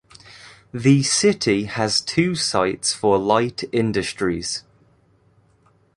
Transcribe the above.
The city has two sites for light industries.